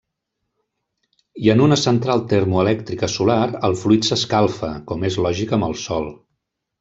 I en una central termoelèctrica solar el fluid s'escalfa, com és lògic amb el sol.